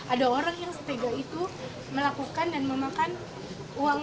ada orang yang setega itu melakukan dan memakan uang orang lainnya